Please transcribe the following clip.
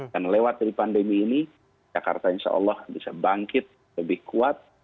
dan lewat dari pandemi ini jakarta insya allah bisa bangkit lebih kuat